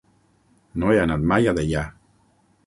No he anat mai a Deià.